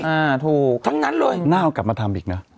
อ่าถูกทั้งนั้นเลยน่าเอากลับมาทำอีกนะ